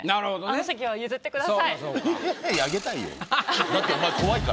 あの席は譲ってください。